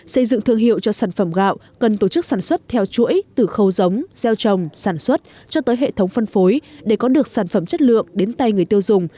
xây dựng thương hiệu cho sản phẩm gạo cần tổ chức sản xuất theo chuỗi từ khâu giống gieo trồng sản xuất cho tới hệ thống phân phối để có được sản phẩm chất lượng đến tay người tiêu dùng